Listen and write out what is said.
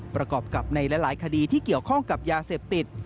ประกอบกับในหลายคดีที่เกี่ยวข้องกับยาเสพติด